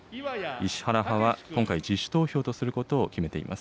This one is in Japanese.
石原派は今回自主投票とすることを決めています。